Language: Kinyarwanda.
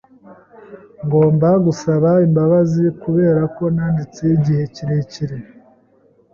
Ngomba gusaba imbabazi kuberako ntanditse igihe kirekire.